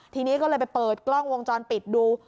ทีนี้ก็เลยไปเปิดกล้องวงจรปิดดู